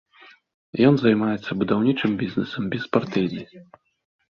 Ён займаецца будаўнічым бізнэсам, беспартыйны.